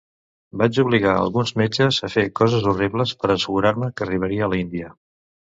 Vaig obligar alguns metges a fer coses horribles per assegurar-me que arribaria a l'Índia.